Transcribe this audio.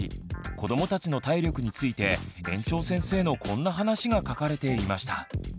子どもたちの体力について園長先生のこんな話が書かれていました。